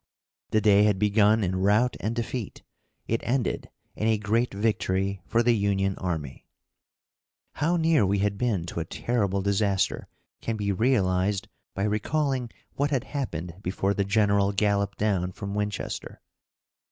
The day had begun in route and defeat; it ended in a great victory for the Union army. How near we had been to a terrible disaster can be realized by recalling what had happened before the general galloped down from Winchester.